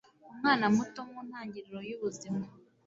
umwana muto, mu ntangiriro y'ubuzima